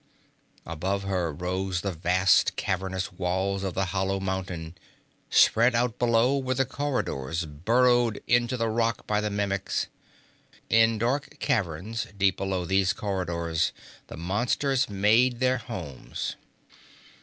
Above her rose the vast, cavernous walls of the hollow mountain. Spread out below were the corridors burrowed into the rock by the Mimics. In dark caverns deep below these corridors the monsters made their homes.